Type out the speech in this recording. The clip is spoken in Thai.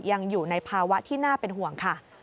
ยังอยู่ในภาวะที่น่าเป็นห่วงค่ะ